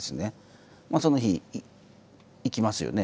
まあその日行きますよね。